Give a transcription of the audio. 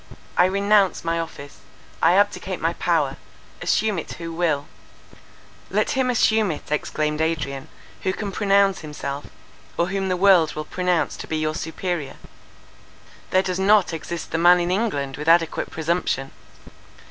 "I renounce my office, I abdicate my power—assume it who will!"— "Let him assume it," exclaimed Adrian, "who can pronounce himself, or whom the world will pronounce to be your superior. There does not exist the man in England with adequate presumption.